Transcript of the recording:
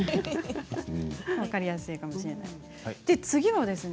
分かりやすいかもしれませんね。